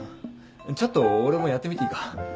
ちょっと俺もやってみていいか？